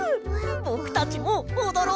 ぼくたちもおどろう！